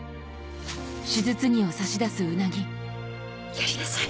やりなさい。